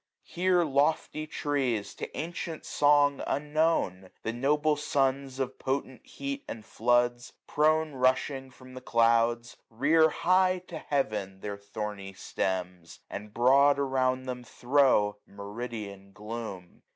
Here lofty trees, to ancient song unknown. The noble sons of potent heat and floods. Prone rushing from the clouds, rear high to Heaven Their thorny stems ; and broad around them throw Meridian gloom.